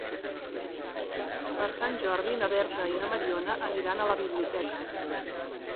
Per Sant Jordi na Berta i na Mariona aniran a la biblioteca.